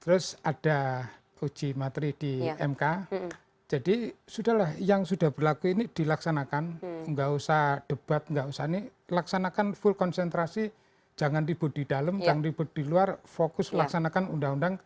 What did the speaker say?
terus ada uji materi di mk jadi sudah lah yang sudah berlaku ini dilaksanakan nggak usah debat nggak usah ini laksanakan full konsentrasi jangan ribut di dalam jangan ribut di luar fokus laksanakan undang undang